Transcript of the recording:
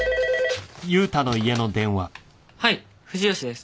はい藤吉です。